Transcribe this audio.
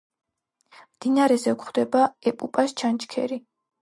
მდინარეზე გვხვდება ეპუპას ჩანჩქერი.